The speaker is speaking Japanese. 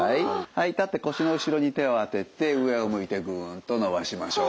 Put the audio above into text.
はい立って腰の後ろに手を当てて上を向いてグンと伸ばしましょう。